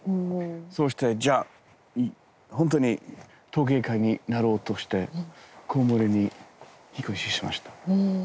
そうしてじゃあ本当に陶芸家になろうとしてコーンウォールに引っ越ししました。